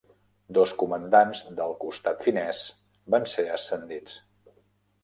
Dos comandants del costat finès van ser ascendits.